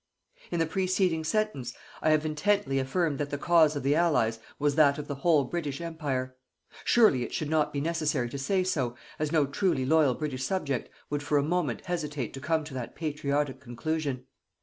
In the preceding sentence, I have intently affirmed that the cause of the Allies was that of the whole British Empire. Surely, it should not be necessary to say so, as no truly loyal British subject would for a moment hesitate to come to that patriotic conclusion.